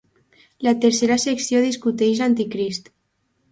La tercera secció discuteix l'Anticrist.